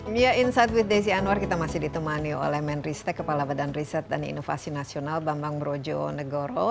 mia insight with desi anwar kita masih ditemani oleh menristek kepala badan riset dan inovasi nasional bambang brojo negoro